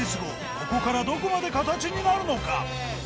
ここからどこまで形になるのか。